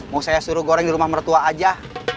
mau saya suruh goreng di rumah mertua aja